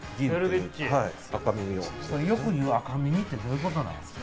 よく言う赤耳ってどういうことですか？